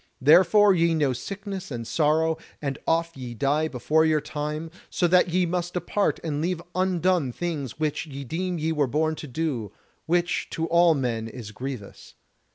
Therefore ye know sickness and sorrow, and oft ye die before your time, so that ye must depart and leave undone things which ye deem ye were born to do; which to all men is grievous.